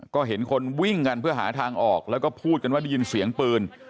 ก็เห็นคนวิ่งกันเพื่อหาทางออกแล้วก็พูดกันว่าได้ยินเสียงปืน